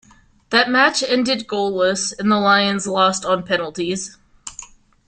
That match ended goalless and the Lions lost on penalties.